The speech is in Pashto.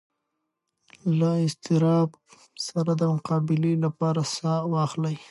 له اضطراب سره د مقابلې لپاره ساه واخلئ.